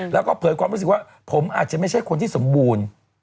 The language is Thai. แล้วก็เผยความรู้สึกว่าผมอาจจะไม่ใช่คนที่สมบูรณ์